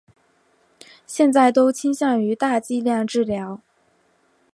现在都倾向于大剂量治疗。